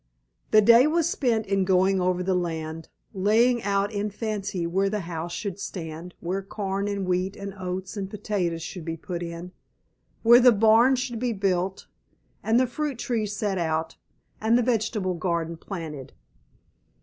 The day was spent in going over the land, laying out in fancy where the house should stand, where corn and wheat and oats and potatoes should be put in, where the barn should be built, and the fruit trees set out, and the vegetable garden planted.